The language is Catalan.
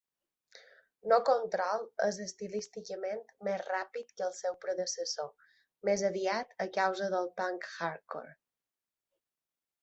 "No Control" és estilísticament més ràpid que el seu predecessor, més aviat a causa del punk hardcore.